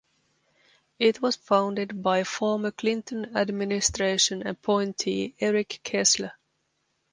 It was founded by former Clinton administration appointee Eric Kessler.